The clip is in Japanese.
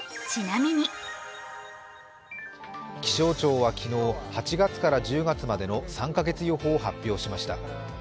気象庁は昨日、８月から１０月までの３カ月予報を発表しました。